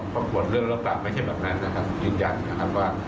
ปรากฏเรื่องแล้วกลับไม่ใช่แบบนั้นนะครับยืนยันนะครับว่า